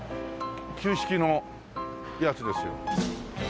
旧式のやつですよ。